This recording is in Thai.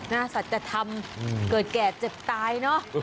สัจธรรมเกิดแก่เจ็บตายเนอะ